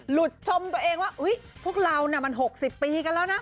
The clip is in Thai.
ชมตัวเองว่าพวกเรามัน๖๐ปีกันแล้วนะ